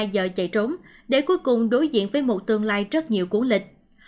bảy mươi hai giờ chạy trốn để cuối cùng đối diện với một tương lai rất nhiều cuốn lịch